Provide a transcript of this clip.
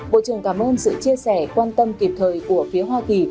bộ trưởng cảm ơn sự chia sẻ quan tâm kịp thời của phía hoa kỳ